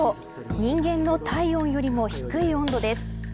人間の体温よりも低い温度です。